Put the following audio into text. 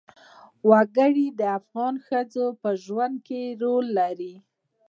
وګړي د افغان ښځو په ژوند کې رول لري.